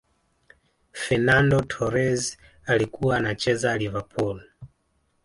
fernando torres alikuwa anacheza liverpool